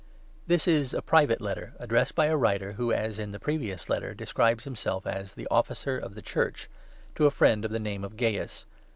] THIS is a private Letter, addressed by a writer, who, as in the previous Letter, describes himself as ' the Officer of the Church,' to a friend of the name of Gaius.